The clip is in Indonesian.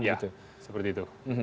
ya seperti itu